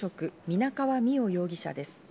皆川美桜容疑者です。